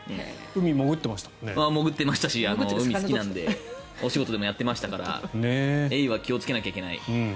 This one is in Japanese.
海、潜ってましたしお仕事でもやってましたからエイは気をつけなきゃいけない。